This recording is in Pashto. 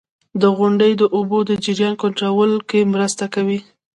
• غونډۍ د اوبو د جریان کنټرول کې مرسته کوي.